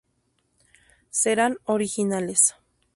Serán originales.